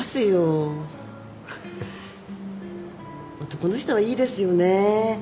男の人はいいですよね。